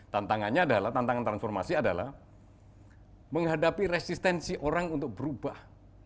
tantangannya adalah tantangan transformasi adalah menghadapi resistensi orang untuk berubah